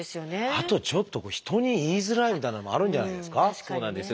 あとちょっと人に言いづらいみたいなのもあるんじゃないですか。